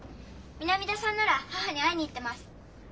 南田さんなら母に会いに行ってます。